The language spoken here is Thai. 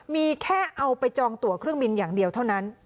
มีแค่เอาไปจองตัวเครื่องบินอย่างเดียวเท่านั้น